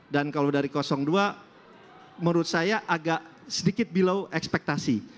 dan kalau dari dua menurut saya agak sedikit below ekspektasi